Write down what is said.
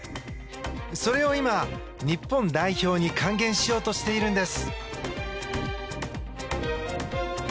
それを今、日本代表に還元しようとしているんです。